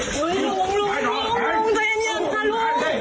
พี่หมาแล้ว